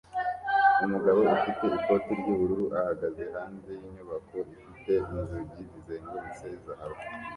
Umugabo ufite ikoti ry'ubururu ahagaze hanze yinyubako ifite inzugi zizengurutse zahabu